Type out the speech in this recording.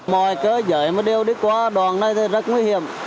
mọi cơ giới mà đều đi qua đoạn này thì rất nguy hiểm